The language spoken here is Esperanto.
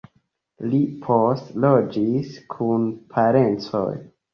Li poste loĝis kun parencoj.